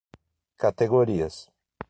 categorias